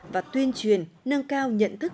và tuyên truyền nâng cao nhận thức